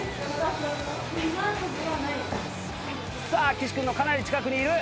岸君のかなり近くにいる。